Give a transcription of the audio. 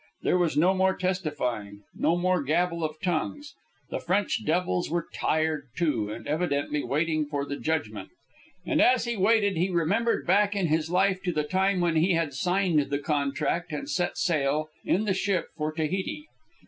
There was no more testifying, no more gabble of tongues. The French devils were tired, too, and evidently waiting for the judgment. And as he waited he remembered back in his life to the time when he had signed the contract and set sail in the ship for Tahiti.